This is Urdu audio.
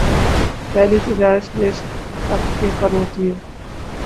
پہلی تجارت بیشتختے پر ہوتی ہے